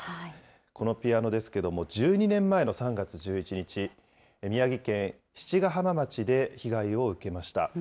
このピアノですけれども、１２年前の３月１１日、宮城県七ヶ浜町で被害を受けました。